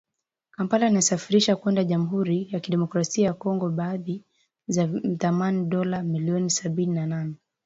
Kampala inasafirisha kwenda Jamuhuri ya Kidemokrasia ya Kongo bidhaa za thamani ya dola milioni sabini na nne